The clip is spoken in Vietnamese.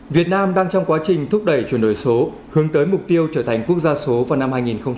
việt nam đang trong quá trình thúc đẩy chuyển đổi số hướng tới mục tiêu trở thành quốc gia số vào năm hai nghìn ba mươi